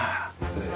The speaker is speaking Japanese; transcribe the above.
ええ。